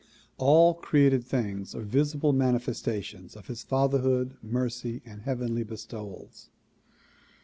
All created things are visible manifestations of his father hood, mercy and heavenly bestowals.